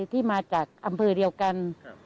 ที่มาจากอำเภอเดียวกัน